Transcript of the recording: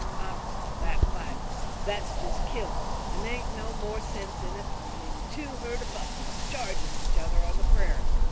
I don't call that fighting; that's jest killing, and there aint no more sense in it than in two herd of buffalo charging each other on the prairie.